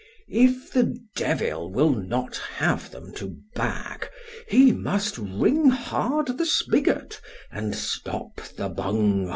If the devil will not have them to bag, he must wring hard the spigot, and stop the bung hole.